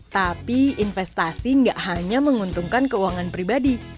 tapi investasi gak hanya menguntungkan keuangan pribadi